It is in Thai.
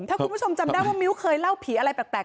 ถ้าคุณผู้ชมจำได้ว่ามิ้วเคยเล่าผีอะไรแปลก